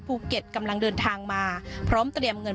กำลังเดินทางมาพร้อมเตรียมเงิน